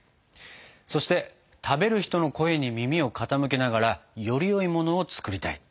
そして食べる人の声に耳を傾けながらよりよいものを作りたい。